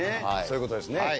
そういうことですね。